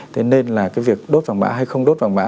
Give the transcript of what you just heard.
thế nên là cái việc đốt vào mã hay không đốt vào mã